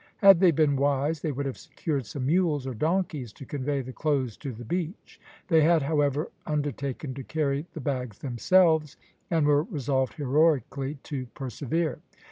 Had they been wise they would have secured some mules or donkeys to convey the clothes to the beach. They had, however, undertaken to carry the bags themselves, and were resolved heroically to persevere.